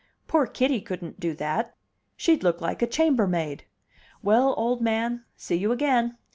Poor Kitty couldn't do that she'd look like a chambermaid! Well, old man, see you again."